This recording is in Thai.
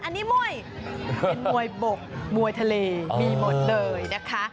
อันนี้มวยเป็นมวยบกมวยทะเลมีหมดเลยนะคะ